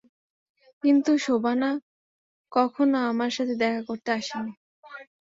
কিন্তু শোবানা কখনো আমার সাথে দেখা করতে আসেনি।